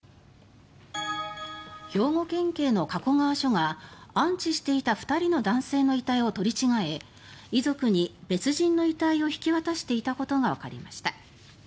兵庫県警の加古川署が安置していた２人の男性の遺体を取り違え遺族に別人の遺体を引き渡していたことがわかりました。